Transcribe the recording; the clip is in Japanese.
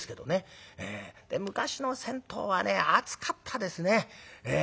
で昔の銭湯はね熱かったですね。